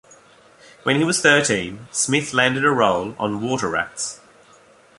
When he was thirteen, Smith landed a role on "Water Rats".